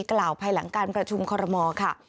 กล่าวภายหลังการประชุมคอรมอลค่ะ